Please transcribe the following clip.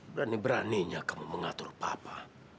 berani beraninya kamu mengatur papa